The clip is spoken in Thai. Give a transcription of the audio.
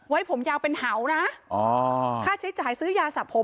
ไว้ผมยาวเป็นเหานะค่าใช้จ่ายซื้อยาสับผมอะไรอย่างนี้